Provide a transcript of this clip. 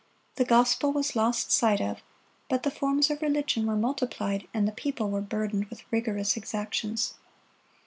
The gospel was lost sight of, but the forms of religion were multiplied, and the people were burdened with rigorous exactions.